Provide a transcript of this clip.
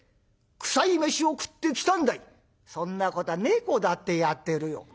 「そんなことは猫だってやってるよ」。